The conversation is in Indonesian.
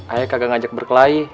ayo kagak ngajak berkelahi